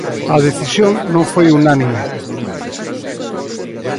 A decisión non foi unánime.